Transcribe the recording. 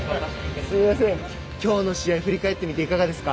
きょうの試合振り返ってみていかがですか？